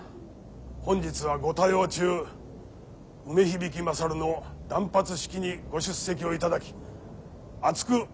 本日はご多用中梅響勝の断髪式にご出席をいただき厚く御礼を申し上げます。